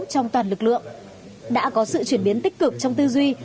trong toàn lực lượng đã có sự chuyển biến tích cực trong tư duy